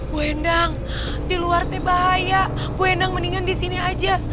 bu endang di luar teh bahaya bu endang mendingan di sini aja ya